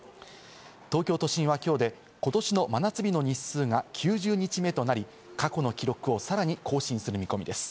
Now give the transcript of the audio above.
東京都心はきょうでことしの真夏日の日数が９０日目となり、過去の記録をさらに更新する見込みです。